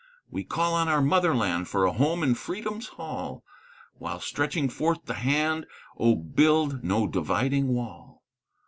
We call on our Motherland For a home in Freedom's hall, While stretching forth the hand, Oh, build no dividing wall!